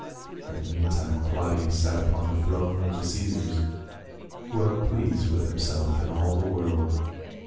In the meantime Claudius sat upon the throne of the Caesars, well pleased with himself and all the world.